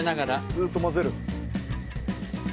ずっと混ぜる。